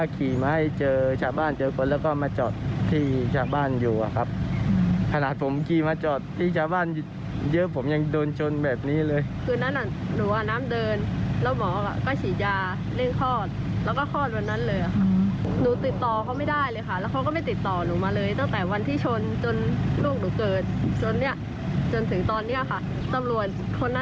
คนนั้นถือว่าเป็นร้อยเมนนะคะบอกว่าไม่ต้องแจ้งหรอก